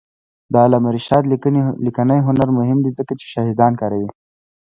د علامه رشاد لیکنی هنر مهم دی ځکه چې شاهدان کاروي.